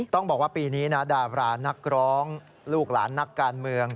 ต้องบอกว่าปีนี้นะดารานักร้องลูกหลานนักการเมือง